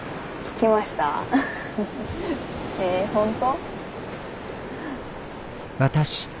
へえ本当？